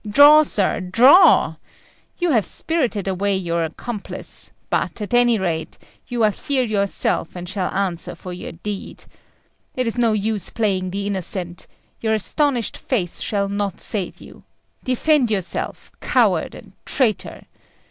Draw, sir, draw! You have spirited away your accomplice; but, at any rate, you are here yourself, and shall answer for your deed. It is no use playing the innocent; your astonished face shall not save you. Defend yourself, coward and traitor!"